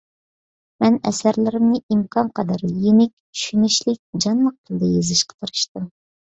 مەن ئەسەرلىرىمنى ئىمكانقەدەر يېنىك، چۈشىنىشلىك، جانلىق تىلدا يېزىشقا تىرىشتىم.